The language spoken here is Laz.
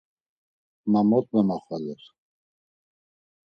Ma mot memaxoler.